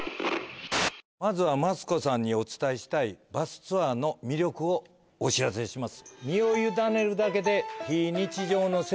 まずはマツコさんにお伝えしたいバスツアーの魅力をお知らせします